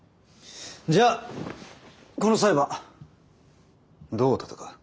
じゃあこの裁判どう戦う？